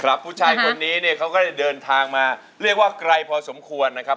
ผู้ชายคนนี้เนี่ยเขาก็จะเดินทางมาเรียกว่าไกลพอสมควรนะครับ